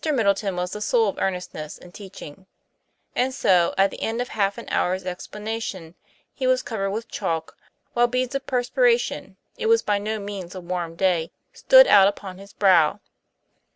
8 1 Middleton was the soul of earnestness in teaching; and so at the end of half an hour's explanation he was covered with chalk, while beads of perspiration it was by no means a warm day stood out upon his brow.